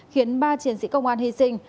khiến ba chiến sĩ công an hy sinh